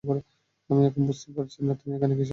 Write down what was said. আমি এখনও বুঝতে পারছি না তুমি এখানে কিসের জন্য এসেছ।